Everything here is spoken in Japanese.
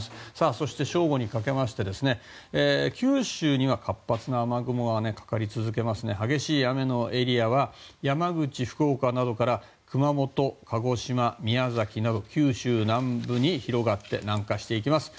そして正午にかけて九州には活発な雨雲がかかり続けて激しい雨のエリアは山口、福岡などから熊本、鹿児島、宮崎など九州南部に広がって南下していきます。